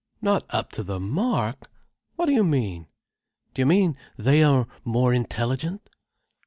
"Not up to the mark? What do you mean? Do you mean they are more intelligent?"